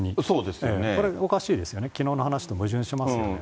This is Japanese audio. これおかしいですよね、きのうの話と矛盾しますよね。